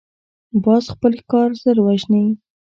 باز خپل ښکار ژر وژني